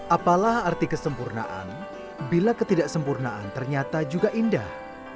apalah arti kesempurnaan bila ketidaksempurnaan ternyata juga indah